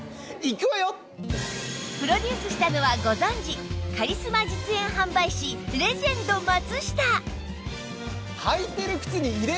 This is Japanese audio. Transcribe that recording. プロデュースしたのはご存じカリスマ実演販売士レジェンド松下